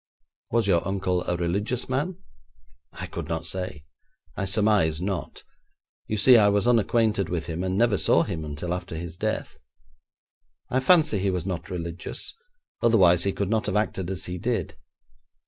'Was your uncle a religious man?' 'I could not say. I surmise not. You see, I was unacquainted with him, and never saw him until after his death. I fancy he was not religious, otherwise he could not have acted as he did.